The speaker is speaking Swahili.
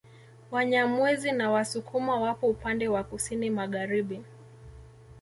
Wanyamwezi na Wasukuma wapo upande wa Kusini magharibi